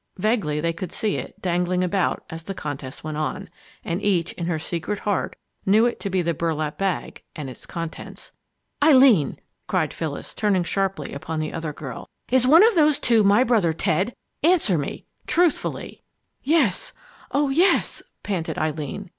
Vaguely they could see it, dangling about, as the contest went on. And each, in her secret heart, knew it to be the burlap bag and its contents! "Eileen!" cried Phyllis, turning sharply upon the other girl, "is one of those two my brother Ted? Answer me truthfully." "Yes oh, yes!" panted Eileen.